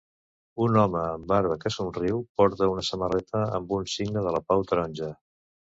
Un home amb barba que somriu porta una samarreta amb un signe de la pau taronja